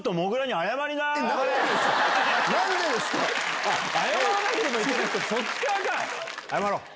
謝ろう。